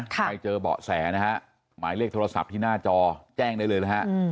ใครเจอเบาะแสนะฮะหมายเลขโทรศัพท์ที่หน้าจอแจ้งได้เลยนะฮะ